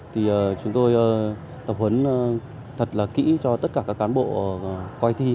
thì chúng tôi tập huấn thật là kỹ cho tất cả các cán bộ coi thi